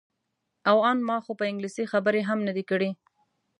او ان ما خو په انګلیسي خبرې هم نه دي کړې.